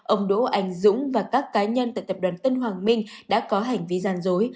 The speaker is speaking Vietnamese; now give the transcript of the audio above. ông đỗ anh dũng và các cá nhân tại tập đoàn tân hoàng minh đã có hành vi gian dối